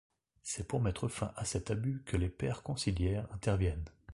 C’est pour mettre fin à cet abus que les pères conciliaires interviennent.